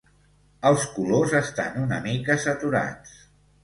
Els colors estan una mica saturats.